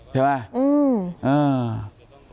ใช่ไหม